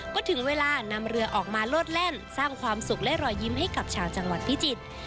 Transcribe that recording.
ก็ถึงเวลานำเรือออกมาโลดแล่นสร้างความสุขและรอยยิ้มให้กับชาวจังหวัดพิจิตร